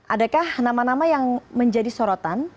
adakah nama nama yang menjadi sorotan